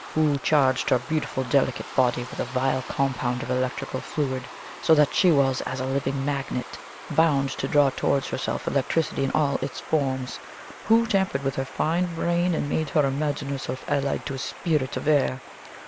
Who charged her beautiful delicate body with a vile compound of electrical fluid, so that she was as a living magnet, bound to draw towards herself electricity in all its forms? Who tampered with her fine brain and made her imagine herself allied to a spirit of air?